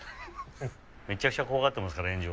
・めちゃくちゃ怖がっていますから炎上。